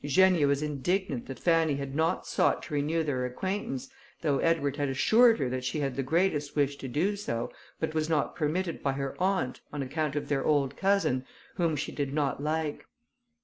Eugenia was indignant that Fanny had not sought to renew their acquaintance, though Edward had assured her that she had the greatest wish to do so, but was not permitted by her aunt, on account of their old cousin, whom she did not like.